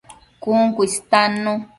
Cun cu istannu